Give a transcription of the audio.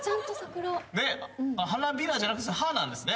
花びらじゃなくて歯なんですね。